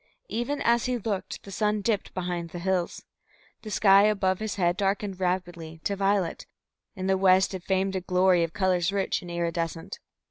Even as he looked, the sun dipped behind the hills. The sky above his head darkened rapidly, to violet; in the west it flamed a glory of colours rich and iridescent.